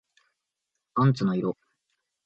パンツの色